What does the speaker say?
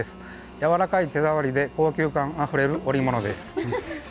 やわらかい手触りで高級感あふれる織物です。